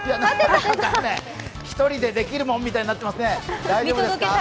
ひとりでできるもんみたいになってますね。